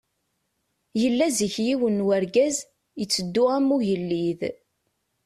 Yella zik yiwen n urgaz, yetteddu am ugellid.